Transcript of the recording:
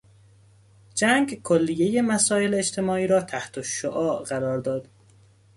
جنگ کلیهی مسائل اجتماعی را تحتالشعاع قرار داد.